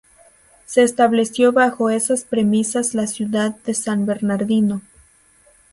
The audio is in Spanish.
Se estableció bajo esas premisas la ciudad de San Bernardino.